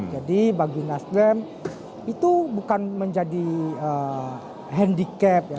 jadi bagi nasdem itu bukan menjadi handicap